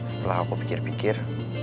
setelah aku pikir pikir